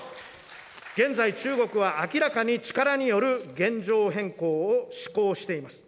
現在、中国は明らかに、力による現状変更を指向しています。